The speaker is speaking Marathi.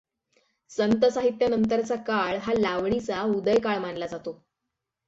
संत साहित्यानंतरचा काळ हा लावणीचा उदयकाळ मानला जातो.